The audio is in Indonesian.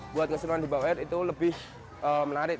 buat keseruan di bawah air itu lebih menarik